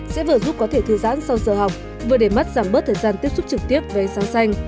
sẽ vừa giúp có thể thư giãn sau giờ học vừa để mắt giảm bớt thời gian tiếp xúc trực tiếp với ánh sáng xanh